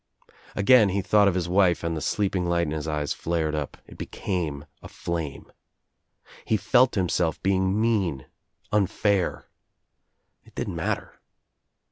Again he thought of his wife and the sleeping light in his eyes flared up, it became a flame. He felt him self being mean, unfair. It didn't matter.